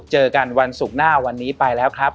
เจอกันวันศุกร์หน้าวันนี้ไปแล้วครับ